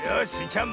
ちゃん